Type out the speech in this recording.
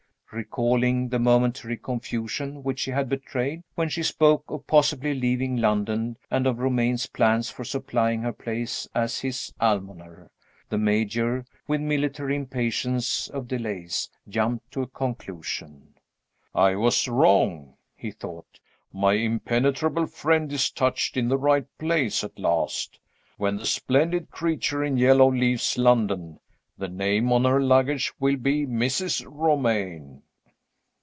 Recalling the momentary confusion which she had betrayed, when she spoke of possibly leaving London, and of Romayne's plans for supplying her place as his almoner, the Major, with military impatience of delays, jumped to a conclusion. "I was wrong," he thought; "my impenetrable friend is touched in the right place at last. When the splendid creature in yellow leaves London, the name on her luggage will be Mrs. Romayne."